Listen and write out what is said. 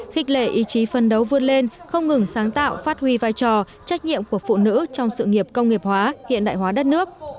khích lệ ý chí phân đấu vươn lên không ngừng sáng tạo phát huy vai trò trách nhiệm của phụ nữ trong sự nghiệp công nghiệp hóa hiện đại hóa đất nước